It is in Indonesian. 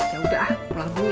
ya udah pulang dulu ya